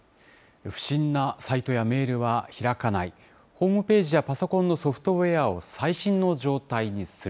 不審なサイトやメールは開かない、ホームページやパソコンのソフトウエアを最新の状態にする。